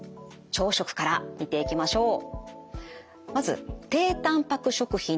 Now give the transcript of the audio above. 朝食から見ていきましょう。